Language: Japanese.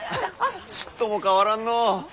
ちっとも変わらんのう。